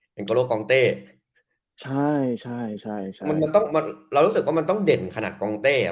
เป็นโกโลกองเต้ใช่ใช่ใช่มันคงต้องมันเรารู้สึกว่ามันต้องเด่นขนาดกองเต้อ่ะ